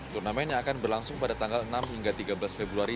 turnamen yang akan berlangsung pada tanggal enam hingga tiga belas februari